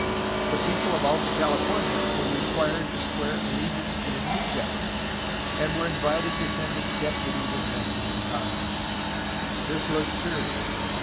The people of Alta Cali fornia were required to swear allegiance to the new govern ment, and were invited to send a deputy to the Mexican Congress. This looked serious.